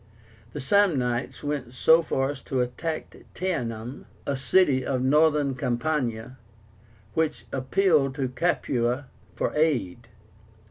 The Samnites went so far as to attack Teánum, a city of Northern Campania, which appealed to Capua for aid.